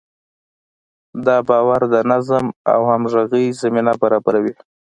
دا باور د نظم او همغږۍ زمینه برابروي.